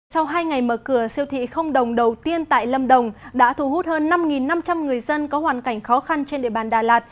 sau hai ngày mở cửa siêu thị không đồng đầu tiên tại lâm đồng đã thu hút hơn năm năm trăm linh người dân có hoàn cảnh khó khăn trên địa bàn đà lạt